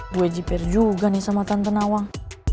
gue jipir juga nih sama tante nawang